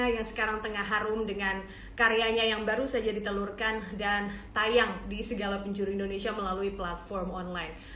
yang sekarang tengah harum dengan karyanya yang baru saja ditelurkan dan tayang di segala penjuru indonesia melalui platform online